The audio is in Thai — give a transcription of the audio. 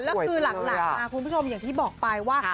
แล้วคือหลังมาคุณผู้ชมอย่างที่บอกไปว่า